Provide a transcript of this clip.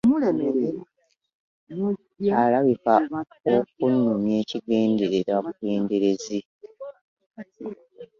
Olabika okunnumya okigenderera bugenderezi.